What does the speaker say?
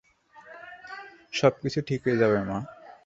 সবকিছু ঠিক হয়ে যাবে, মা!